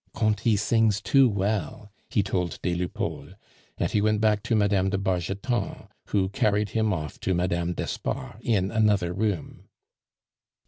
"Conti sings too well," he told des Lupeaulx; and he went back to Mme. de Bargeton, who carried him off to Mme. d'Espard in another room.